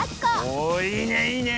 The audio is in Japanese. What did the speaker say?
おおいいねいいね。